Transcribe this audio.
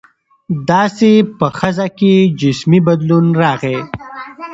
داسې په ښځه کې جسمي بدلون راغى.